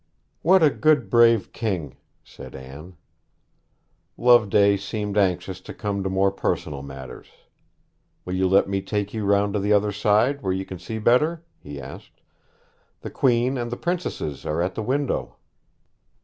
'What a good, brave King!' said Anne. Loveday seemed anxious to come to more personal matters. 'Will you let me take you round to the other side, where you can see better?' he asked. 'The Queen and the princesses are at the window.'